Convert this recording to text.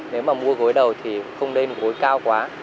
nếu mà mua gối đầu thì không lên gối cao quá